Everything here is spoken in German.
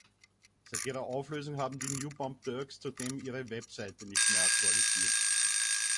Seit ihrer Auflösung haben die New Bomb Turks zudem ihre Website nicht mehr aktualisiert.